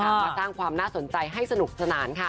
มาสร้างความน่าสนใจให้สนุกสนานค่ะ